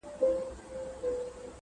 اورېدل يې د رعيتو فريادونه.!